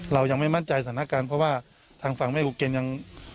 เรายังไม่มั่นใจสถานการณ์เพราะว่าทางฝั่งแม่ลูกเกณฑ์ยัง